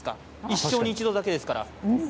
一生に一度ですから。